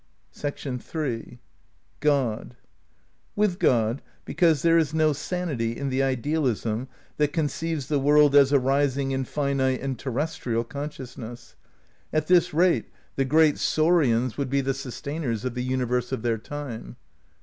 iii With God, because there is no sanity in the idealism that conceives the world as arising in finite and ter ood restrial consciousness. At this rate the great saurians 314 THE NEW IDEALISM xn would be the sustainers of the universe of their time.